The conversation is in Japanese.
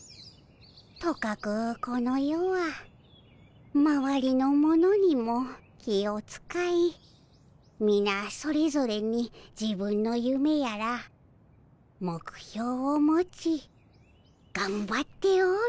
とかくこの世はまわりの者にも気をつかいみなそれぞれに自分のゆめやら目標を持ちがんばっておる。